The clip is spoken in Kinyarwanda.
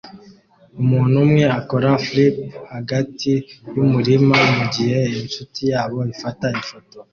Umuntu umwe akora flip hagati yumurima mugihe inshuti yabo ifata ifoto